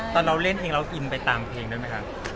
ตอนเราเล่นเพลงเราอินไปตามเพลงนั้นไหมครับ